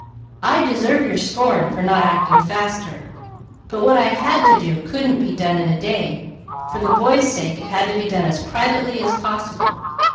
I deserve your scorn for not acting faster, but what I had to do couldn't be done in a day, and for the boys' sake it had to be done as privately as possible.